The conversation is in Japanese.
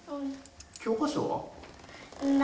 教科書は？